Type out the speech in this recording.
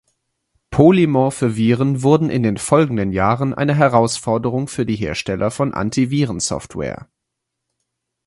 Polymorphe Viren wurden in den folgenden Jahren eine Herausforderung für die Hersteller von Antivirensoftware.